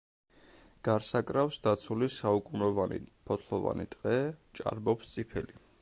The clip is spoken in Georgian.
გარს აკრავს დაცული საუკუნოვანი ფოთლოვანი ტყე, ჭარბობს წიფელი.